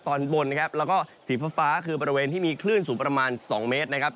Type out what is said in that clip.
ตอนบนนะครับแล้วก็สีฟ้าคือบริเวณที่มีคลื่นสูงประมาณ๒เมตรนะครับ